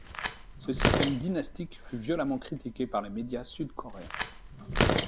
Ce système dynastique fut violemment critiqué par les médias sud-coréens.